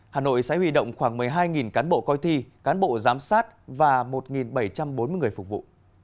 hà nội sẽ huy động khoảng một mươi hai cán bộ coi thi cán bộ giám sát và một bảy trăm bốn mươi người phục vụ